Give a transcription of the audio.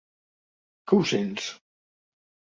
Que ho sents?